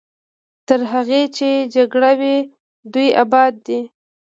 تر هغې چې جګړه وي دوی اباد دي.